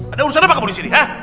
ada urusan apa kamu disini